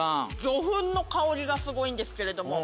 魚粉の香りがすごいんですけれども。